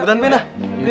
gue tante dah